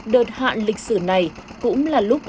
đợt hạn lịch sử này cũng là lúc